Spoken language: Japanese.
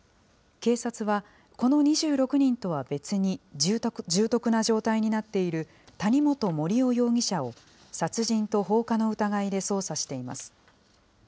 警察は、この２６人とは別に重篤な状態になっている谷本盛雄容疑者を、殺人と放火の疑いで捜査しています。